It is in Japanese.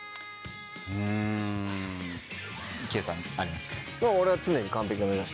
うん圭さんありますか？